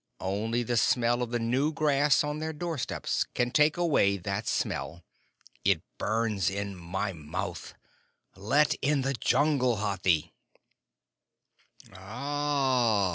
Only the smell of the new grass on their door steps can take away that smell. It burns in my mouth. Let in the Jungle, Hathi!" "Ah!"